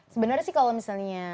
sebenarnya sih kalau misalnya